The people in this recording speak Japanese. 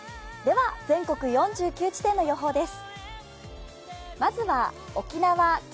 全国４９地点の予報です。